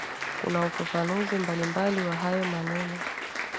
kuna ufafanuzi mbalimbali wa hayo maneno